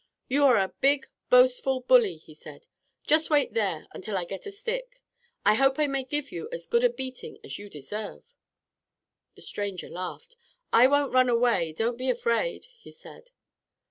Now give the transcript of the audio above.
"You are a big, boastful bully," he said. "Just wait there until I get a stick. I hope I may give you as good a beating as you deserve." The stranger laughed. "I won't run away; don't be afraid," he said.